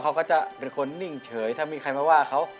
เขาก็จะเป็นคนนิ่งเฉยถ้ามีใครมาว่าเขา